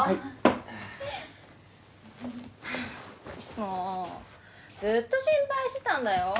もうずっと心配してたんだよ。